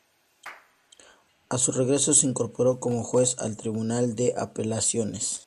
A su regreso se incorporó como juez al Tribunal de Apelaciones.